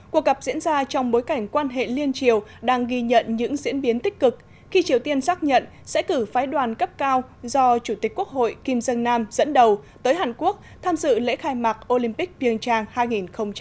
cuộc gặp diễn ra trong bối cảnh quan hệ liên triều đang ghi nhận những diễn biến tích cực khi triều tiên xác nhận sẽ cử phái đoàn cấp cao do chủ tịch quốc hội kim dân nam dẫn đầu tới hàn quốc tham dự lễ khai mạc olympic ping trang hai nghìn hai mươi